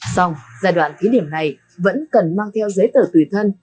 xong giai đoạn thí điểm này vẫn cần mang theo giấy tờ tùy thân